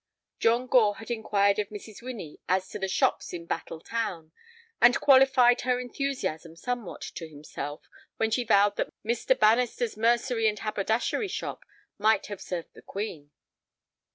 John Gore had inquired of Mrs. Winnie as to the shops in Battle Town, and qualified her enthusiasm somewhat to himself when she vowed that Mr. Bannister's mercery and haberdashery shop might have served the Queen.